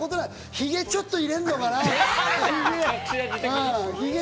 ヒゲをちょっと入れるのかな？